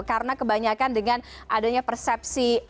karena kebanyakan dengan adanya persepsi